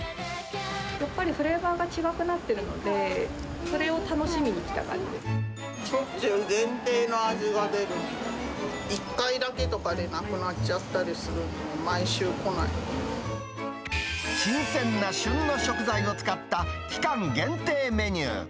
やっぱりフレーバーが違くなってるので、それを楽しみに来たしょっちゅう限定の味が出るんで、１回だけとかでなくなっちゃったりすることもあるから、毎週来な新鮮な旬の食材を使った期間限定メニュー。